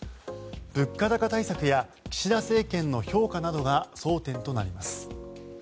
物価高対策や岸田政権の評価などが争点となります。